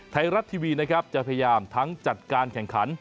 ไทยรัฐทีวีนะครับจะพยายามทั้งจัดการแข่งขัน